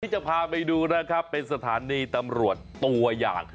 จะพาไปดูนะครับเป็นสถานีตำรวจตัวอย่าง